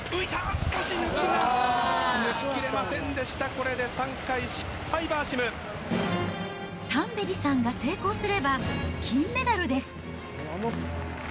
しかし抜けきれませんでした、これで３回失敗、バーシムタンベリさんが成功すれば、金メダルです。